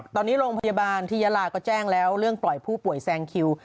ตอนนี้โรงพยาบาลที่ยาลาก็แจ้งแล้วเรื่องปล่อยผู้ป่วยแซงคิว